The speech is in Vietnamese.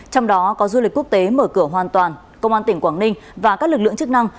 trong đó có du lịch quốc tế mở cửa hoàn toàn công an tỉnh quảng ninh và các lực lượng chức năng